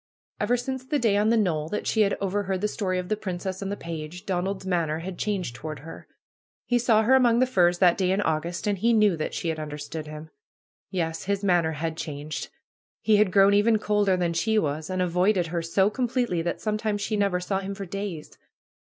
Ever since the day on the knoll that she had over heard the story of the princess and the page, Donald's manner had changed toward her. He saw her among the firs that day in August, and he knew that she had understood him. Yes I His manner had changed ! He had grown even colder than she was, and avoided her so completely that sometimes she never saw him for days.